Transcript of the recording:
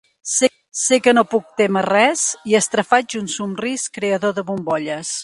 Sé que no puc témer res i estrafaig un somrís creador de bombolles.